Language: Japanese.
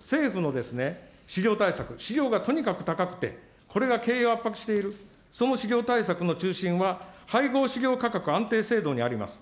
政府の飼料対策、飼料がとにかく高くて、これが経営を圧迫している、その飼料対策の中心は、配合飼料価格安定制度にあります。